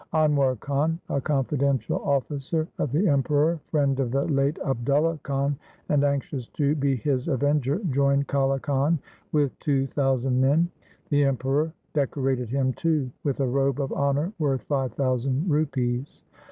Anwar Khan, a con fidential officer of the Emperor, friend of the late Abdulla Khan, and anxious to be his avenger, joined Kale Khan with two thousand men. The Emperor decorated him too with a robe of honour worth five thousand rupees.